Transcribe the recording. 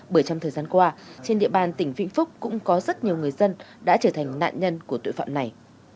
bởi trong thời gian qua trên địa bàn tỉnh vĩnh phúc cũng có rất nhiều người dân đã trở thành nạn nhân của tội phạm này